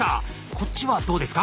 こっちはどうですか？